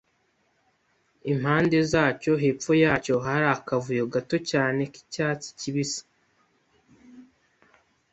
impande zacyo. Hepfo yacyo hari akavuyo gato cyane k'icyatsi kibisi,